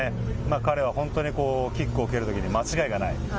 彼は本当にキックを蹴るときに間違いがない。